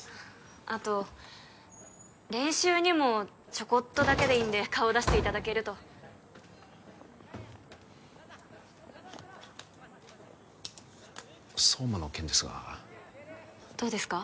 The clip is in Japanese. あと練習にもちょこっとだけでいいんで顔出していただけると壮磨の件ですがどうですか？